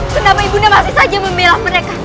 kenapa ibunda masih saja memilah mereka